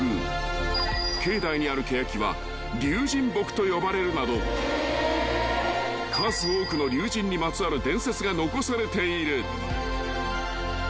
［境内にあるケヤキは龍神木と呼ばれるなど数多くの竜神にまつわる伝説が残されている］